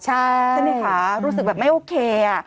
ใช่ไหมคะรู้สึกแบบไม่โอเค